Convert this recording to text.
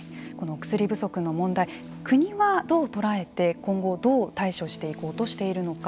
薬不足の問題国は、どう捉えて今後どう対処していこうとしているのか。